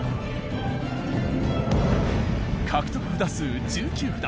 獲得札数１９札